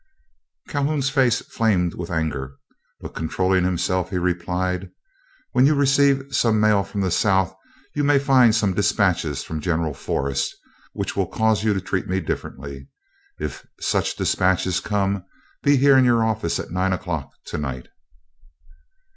Calhoun's face flamed with anger, but controlling himself, he replied: "When you receive some mail from the South, you may find some dispatches from General Forrest which will cause you to treat me differently. If such dispatches come, be here in your office at nine o'clock to night."